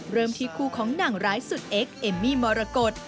เริ่มที่คู่ของหนังร้ายสุดเอ็กเอมมี่มรกฏ